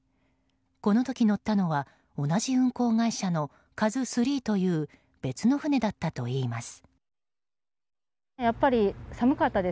この時、乗ったのは同じ運航会社の「ＫＡＺＵ３」という別の船だったといいます。